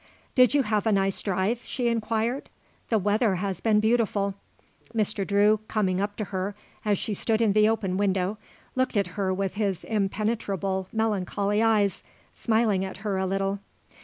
"Did you have a nice drive?" she inquired. "The weather has been beautiful." Mr. Drew, coming up to her as she stood in the open window, looked at her with his impenetrable, melancholy eyes, smiling at her a little.